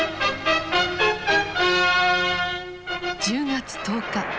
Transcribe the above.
１０月１０日。